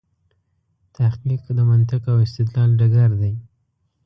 تحقیق د منطق او استدلال ډګر دی.